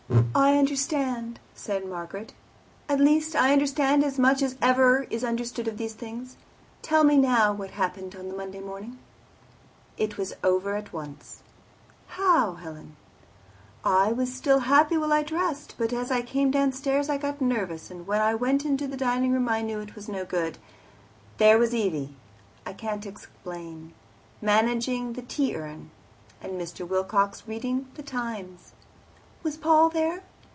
"I understand," said Margaret "at least, I understand as much as ever is understood of these things. Tell me now what happened on the Monday morning." "It was over at once." "How, Helen?" "I was still happy while I dressed, but as I came downstairs I got nervous, and when I went into the dining room I knew it was no good. There was Evie I can't explain managing the tea urn, and Mr. Wilcox reading the TIMES." "Was Paul there?"